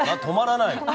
止まらない。